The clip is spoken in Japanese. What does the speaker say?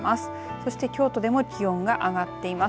そして京都でも気温が上がっています。